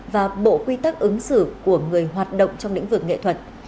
và bộ quy tắc ứng xử của người hoạt động trong lĩnh vực nghệ thuật